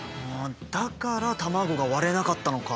だから卵が割れなかったのか。